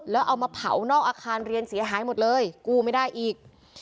แล้วเอามาเผานอกอาคารเรียนเสียหายหมดเลยกู้ไม่ได้อีก